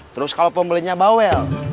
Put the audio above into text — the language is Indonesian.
terus kalau pembelinya bawel